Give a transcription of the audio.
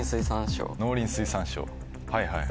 はいはい。